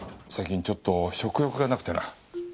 最近ちょっと食欲がなくてな。